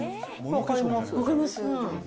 分かります。